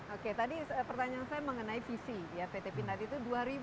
oke tadi pertanyaan saya mengenai visi pt pindad itu dua ribu dua puluh tiga